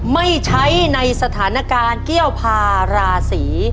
ไม่ใช้ในสถานการณ์เกี้ยวพาราศี